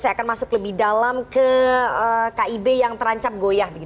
saya akan masuk lebih dalam ke kib yang terancam goyah